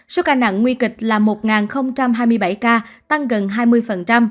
số ca nặng nguy kịch là một hai mươi bảy ca tăng gần hai mươi